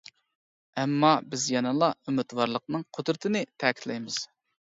ئەمما بىز يەنىلا ئۈمىدۋارلىقنىڭ قۇدرىتىنى تەكىتلەيمىز.